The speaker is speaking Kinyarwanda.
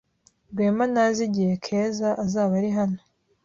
Rwema ntazi igihe Keza azaba ari hano